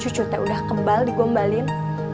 cucunya udah kembal digombalin